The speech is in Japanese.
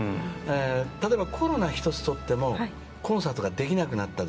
例えば、コロナ１つとってもコンサートができなくなりました。